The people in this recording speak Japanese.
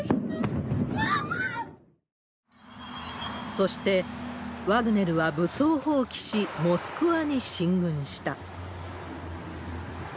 そしてワグネルは武装蜂起し、モスクワに進軍した。